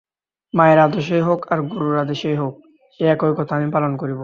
মায়ের আদেশই হউক আর গুরুর আদেশই হউক, সে একই কথা–আমি পালন করিব।